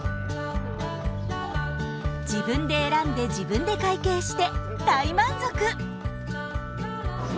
自分で選んで自分で会計して大満足。